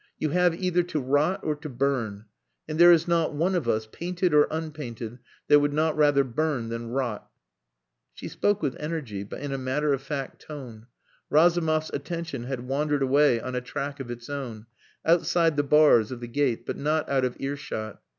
You have either to rot or to burn. And there is not one of us, painted or unpainted, that would not rather burn than rot." She spoke with energy, but in a matter of fact tone. Razumov's attention had wandered away on a track of its own outside the bars of the gate but not out of earshot.